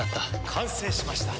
完成しました。